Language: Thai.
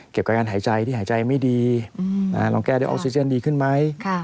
กับการหายใจที่หายใจไม่ดีลองแก้ด้วยออกซิเจนดีขึ้นไหม